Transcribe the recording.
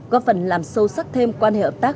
góp phần làm sâu sắc thêm quan hệ hợp tác